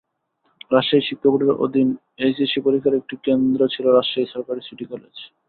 রাজশাহী শিক্ষা বোর্ডের অধীন এইচএসসি পরীক্ষার একটি কেন্দ্র ছিল রাজশাহী সরকারি সিটি কলেজ।